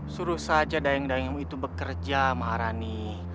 suruh saja dayang dayangmu itu bekerja maharani